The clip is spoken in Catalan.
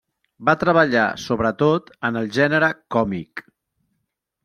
Va treballar sobretot en el gènere còmic.